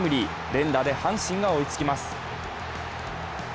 連打で阪神が追いつきます。